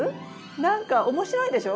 何か面白いでしょ？